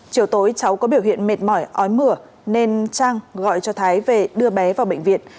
chiều tối cháu có biểu hiện mệt mỏi ói mửa nên trang gọi cho thái về đưa bé vào bệnh viện